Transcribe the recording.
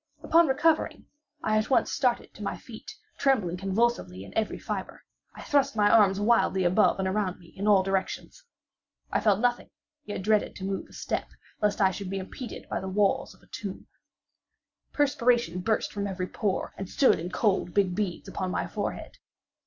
Upon recovering, I at once started to my feet, trembling convulsively in every fibre. I thrust my arms wildly above and around me in all directions. I felt nothing; yet dreaded to move a step, lest I should be impeded by the walls of a tomb. Perspiration burst from every pore, and stood in cold big beads upon my forehead.